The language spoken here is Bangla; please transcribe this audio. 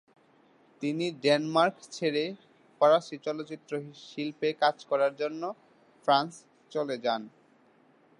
তিনি ডেনমার্ক ছেড়ে ফরাসি চলচ্চিত্র শিল্পে কাজ করার জন্য ফ্রান্স চলে যান।